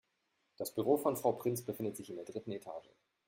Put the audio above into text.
Das Büro von Frau Prinz befindet sich in der dritten Etage.